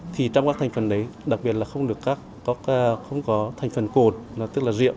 thì trong các thành phần đấy đặc biệt là không có thành phần cồn tức là rượu